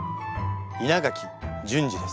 稲垣淳二です。